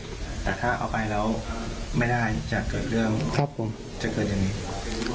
แต่ถ้าเอาไปแล้วไม่ได้จะเกิดเรื่องจะเกิดอย่างนี้